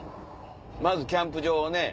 まずキャンプ場をね。